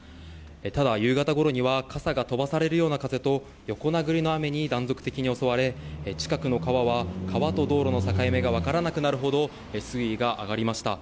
ただ、夕方ごろには傘が飛ばされるような風と横殴りの雨に断続的に襲われ近くの川は川と道路の境目が分からなくなるほど水位が上がりました。